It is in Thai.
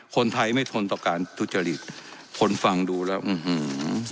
คนไทยไม่ทนต่อการทุจจภิษภิมฐ์ทนฟังดูแล้วอืมหืม